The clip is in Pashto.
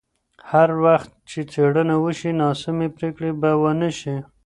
هر وخت چې څېړنه وشي، ناسمې پرېکړې به ونه شي.